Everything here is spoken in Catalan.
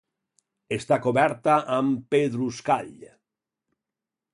Està coberta amb pedruscall.